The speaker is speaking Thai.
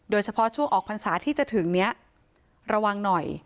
โดยเฉพาะช่วงออกพรรษาที่จะถึงนี้ระวังหน่อย